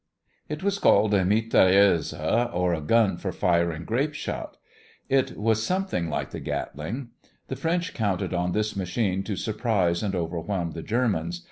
It was called a mitrailleuse, or a gun for firing grape shot. It was something like the Gatling. The French counted on this machine to surprise and overwhelm the Germans.